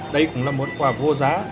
đây cũng là một quà vô giá